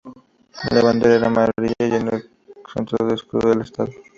La bandera era amarilla y en el centro el escudo del estado.